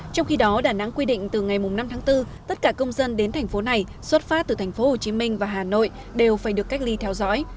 trong khi đó đà nẵng quy định từ ngày năm tháng bốn tất cả công dân đến thành phố này xuất phát từ thành phố hồ chí minh và hà nội đều phải được cách ly theo dõi